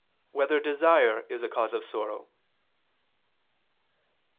2] Whether Desire Is a Cause of Sorrow?